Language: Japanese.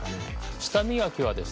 舌磨きはですね